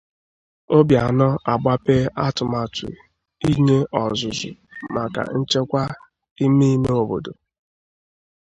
Obianọ Agbapee Atụmatụ Inye Ọzụzụ Maka Nchekwa Imeime Obodo